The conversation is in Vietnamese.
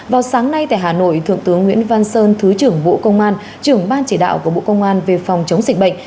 vào sáng nay tại hà nội thượng tướng nguyễn văn sơn thứ trưởng bộ công an trưởng ban chỉ đạo của bộ công an về phòng chống dịch bệnh